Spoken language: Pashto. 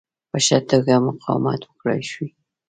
په ښه توګه مقاومت وکړای شي.